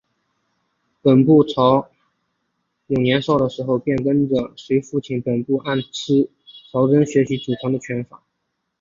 本部朝勇年少的时候便跟随父亲本部按司朝真学习祖传的拳法。